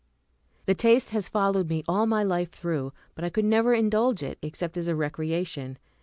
The taste has followed me all my life through, but I could never indulge it except as a recreation.